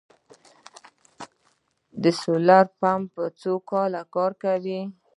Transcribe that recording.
د سولر پمپ څو کاله کار کوي؟